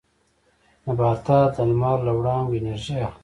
نباتات د لمر له وړانګو انرژي اخلي